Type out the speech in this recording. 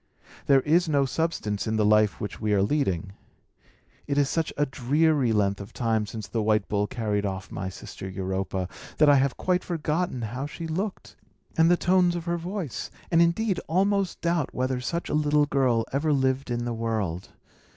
There is no substance in the life which we are leading. It is such a dreary length of time since the white bull carried off my sister Europa, that I have quite forgotten how she looked, and the tones of her voice, and, indeed, almost doubt whether such a little girl ever lived in the world.